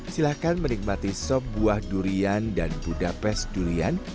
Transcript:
silakan menikmati sob buah durian dan budapest durian